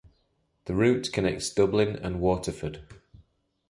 The route connects Dublin and Waterford.